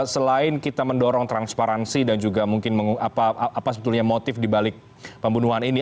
selain kita mendorong transparansi dan juga mungkin apa sebetulnya motif dibalik pembunuhan ini